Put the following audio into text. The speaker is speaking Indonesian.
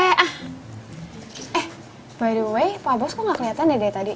eh by the way pak bos kok gak kelihatan deh dari tadi